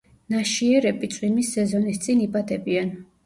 ნაშიერები წვიმის სეზონის წინ იბადებიან.